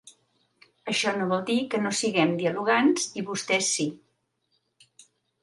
Això no vol dir que no siguem dialogants i vostès sí.